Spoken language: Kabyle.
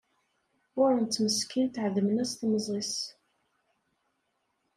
Ɣuṛṛen-tt meskint ɛedmen-as temẓi-s.